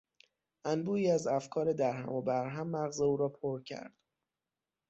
انبوهی از افکار در هم و بر هم مغز او را پر کرد.